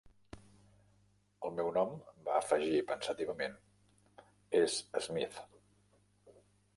El meu nom", va afegir pensativament, "és Smith.